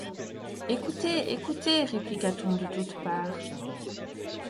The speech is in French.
Écoutez! écoutez ! répliqua-t-on de toutes parts.